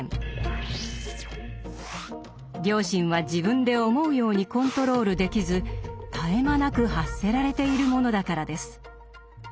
「良心」は自分で思うようにコントロールできず絶え間なく発せられているものだからです。